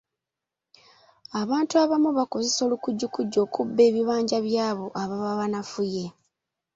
Abantu abamu bakozesa olukujjukujju okubba ebibanja by’abo ababa banafuye.